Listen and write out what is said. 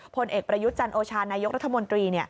ผลเอกประยุทธ์จันโอชานายกรัฐมนตรี